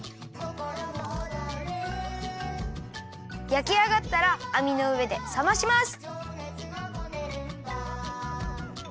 やきあがったらあみのうえでさまします。